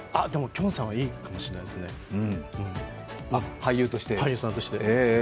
きょんさんは、いいかもしれないですね、俳優さんとして。